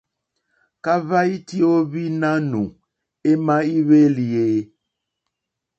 Kahva iti o ohwi nanù ema i hwelì e?